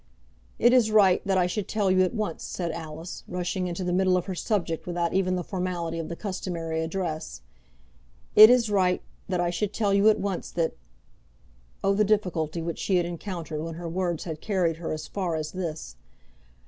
"It is right that I should tell you at once," said Alice, rushing into the middle of her subject without even the formality of the customary address "It is right that I should tell you at once that ." Oh, the difficulty which she had encountered when her words had carried her as far as this!